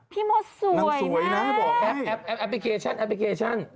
พี่มดสวยแม่แอปพลิเคชันแอปพลิเคชัน